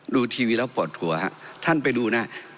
ดูทีวีแล้วปวดหัวฮะท่านไปดูนะ